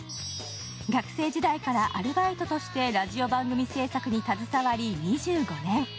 学生時代からアルバイトとしてラジオ番組制作に携わり２５年。